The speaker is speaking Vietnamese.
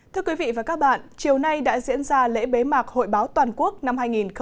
thưa quý vị và các bạn chiều nay đã diễn ra lễ bế mạc hội báo toàn quốc năm hai nghìn hai mươi